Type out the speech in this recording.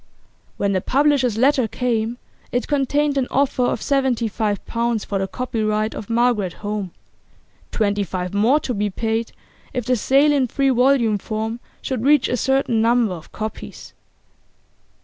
When the publishers' letter came it contained an offer of seventy five pounds for the copyright of 'Margaret Home,' twenty five more to be paid if the sale in three volume form should reach a certain number of copies.